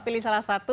pilih salah satu